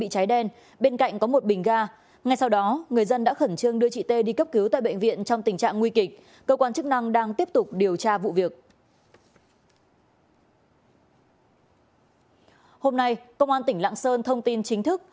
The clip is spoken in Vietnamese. hôm nay công an tỉnh lạng sơn thông tin chính thức